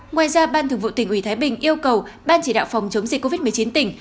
ngoài ra ban thường vụ tỉnh ủy thái bình yêu cầu ban chỉ đạo phòng chống dịch covid một mươi chín tỉnh